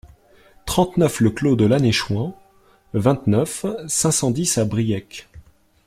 trente-neuf le Clos de Lannec'huen, vingt-neuf, cinq cent dix à Briec